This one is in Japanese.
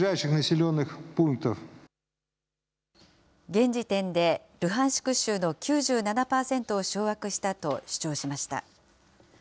現時点で、ルハンシク州の９７％を掌握したと主張しました。